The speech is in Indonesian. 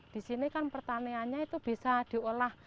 di sini kan pertaniannya itu bisa diolah